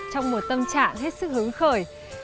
trong một tâm trạng hết sức hướng khởi